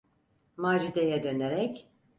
Macide’ye dönerek: